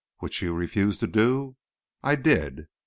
"Which you refused to do?" "I did."